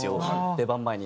出番前に。